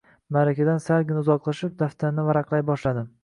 Maʼrakadan salgina uzoqlashib, daftarni varaqlay boshladim.